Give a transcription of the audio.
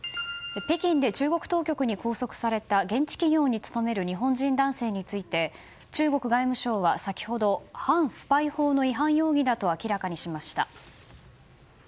北京で中国当局に拘束された現地企業に勤める日本人男性について中国外務省は先ほど反スパイ法の違反容疑だと明らかにしました。